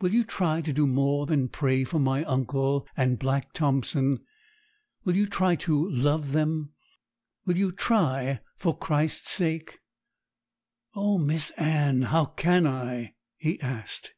Will you try to do more than pray for my uncle and Black Thompson? Will you try to love them. Will you try for Christ's sake?' 'Oh, Miss Anne, how can I?' he asked.